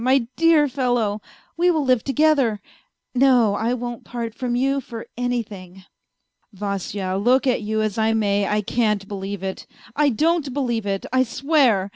My dear fellow ! We will live together. No, I won't part from you for anything." " Vasya, look at you as I may, I can't believe it. I don't believe it, I swear.